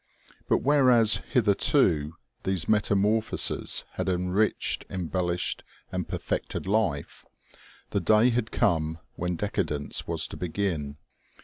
But whereas, hitherto, these metamorphoses had enriched, embellished and perfected life, the day had come when decadence was to begin.